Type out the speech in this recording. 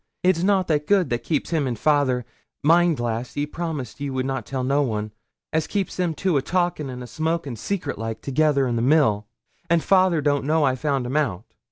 It's nout that's good as keeps him an' fayther (mind, lass, ye promised you would not tell no one) as keeps them two a talkin' and a smokin' secret like together in the mill. An' fayther don't know I found him out.